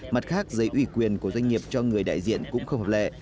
mặt khác giấy ủy quyền của doanh nghiệp cho người đại diện cũng không hợp lệ